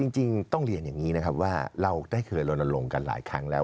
จริงต้องเรียนอย่างนี้นะครับว่าเราได้เคยลนลงกันหลายครั้งแล้ว